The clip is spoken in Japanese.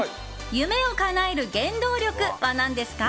夢をかなえる原動力は何ですか？